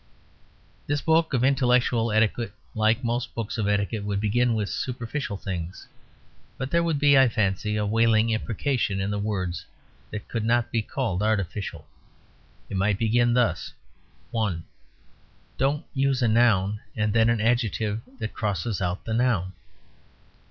This book of intellectual etiquette, like most books of etiquette, would begin with superficial things; but there would be, I fancy, a wailing imprecation in the words that could not be called artificial; it might begin thus: (1) Don't use a noun and then an adjective that crosses out the noun.